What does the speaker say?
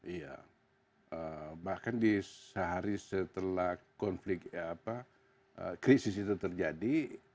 iya bahkan di sehari setelah konflik krisis itu terjadi